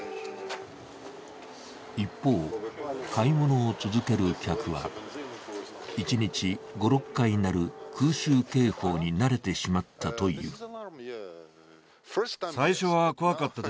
一方、買い物を続ける客は一日５６回鳴る空襲警報に慣れてしまったという。